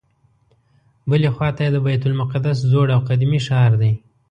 بلې خواته یې د بیت المقدس زوړ او قدیمي ښار دی.